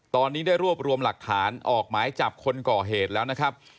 ตอนนี้ได้รวบรวมหลักฐานออกหมายจับคนก่อเหตุแล้วนะครับ